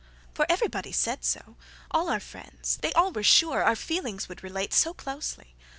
"For everybody said so, all our friends, They all were sure our feelings would relateSo closely!